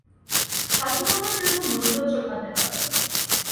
স্বাধীনতার জন্য মূল্য চোকাতে হয়।